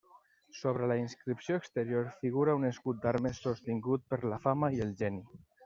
Sobre la inscripció exterior figura un escut d'armes sostingut per la Fama i el Geni.